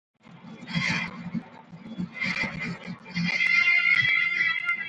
India can also supply its surplus electricity to Sri Lanka by undersea cable link.